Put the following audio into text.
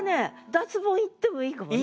脱ボンいってもいいかもね。